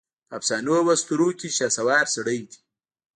په افسانواواسطوروکې شهسوار سړی دی